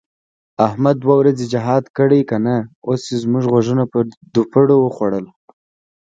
احمد دوه ورځې جهاد کړی که نه، اوس یې زموږ غوږونه په دوپړو وخوړل.